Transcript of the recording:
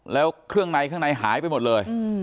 แล้วเครื่องในข้างในหายไปหมดเลย